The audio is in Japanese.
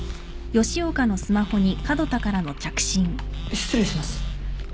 失礼します。